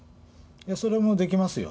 それもできますよ。